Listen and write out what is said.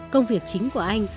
công việc chính của anh